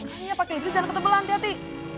nangisnya pake lipstick jangan ketebelan hati hati